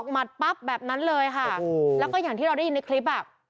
มัดปั๊บแบบนั้นเลยค่ะแล้วก็อย่างที่เราได้ยินในคลิปอ่ะ